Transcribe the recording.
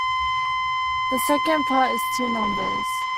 The second part is two numbers.